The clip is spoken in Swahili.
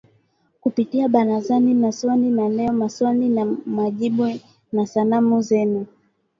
Kupitia ‘Barazani’ na ‘Swali la Leo’, 'Maswali na Majibu', na 'Salamu Zenu'